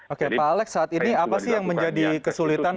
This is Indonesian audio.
oke pak alex saat ini apa sih yang menjadi kesulitan